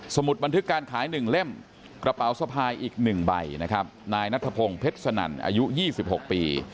มุดบันทึกการขาย๑เล่มกระเป๋าสะพายอีก๑ใบนะครับนายนัทพงศ์เพชรสนั่นอายุ๒๖ปี